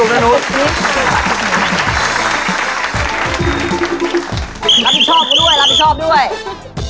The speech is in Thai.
รับผิดชอบเขาด้วยรับผิดชอบด้วย